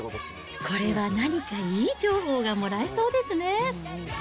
これは何かいい情報がもらえそうですね。